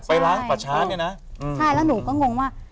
ไปล้างป่าช้าเนี่ยนะใช่แล้วหนูก็งงว่า